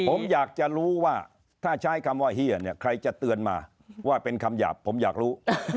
ผมอยากจะรู้ว่าถ้าใช้คำว่าเฮียเนี่ยใครจะเตือนมาว่าเป็นคำหยาบผมอยากรู้